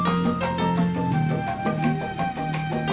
kita ketemu di markas kecil